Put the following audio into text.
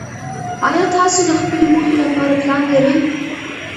ایا تاسو د خپلې موخې لپاره پلان لرئ؟